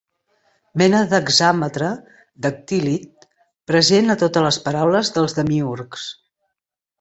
Mena d'hexàmetre dactílic present a totes les paraules dels demiürgs.